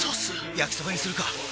焼きそばにするか！